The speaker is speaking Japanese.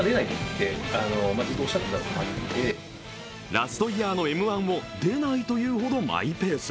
ラストイヤーの「Ｍ−１」を出ないというほどマイペース。